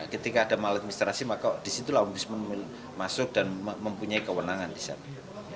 ketika ada maladministrasi maka disitulah ombudsman masuk dan mempunyai kewenangan di sana